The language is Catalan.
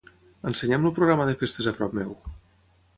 Ensenya'm el programa de festes a prop meu.